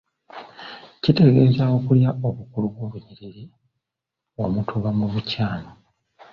Kitegeeza okulya obukulu bw’olunyiriri, omutuba mu bukyamu.